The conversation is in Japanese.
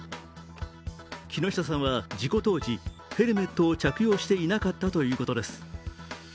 木下さんは事故当時、ヘルメットを着用していなかったということです。